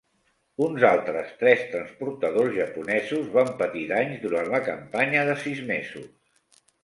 Uns altres tres transportadors japonesos van patir danys durant la campanya de sis mesos.